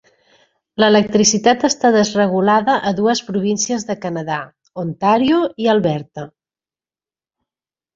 L'electricitat està desregulada a dues províncies de Canadà: Ontario i Alberta.